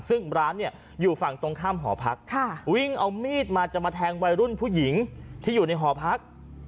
ซึ่งร้านเนี่ยอยู่ฝั่งตรงข้ามหอพักวิ่งเอามีดมาจะมาแทงวัยรุ่นผู้หญิงที่อยู่ในหอพัก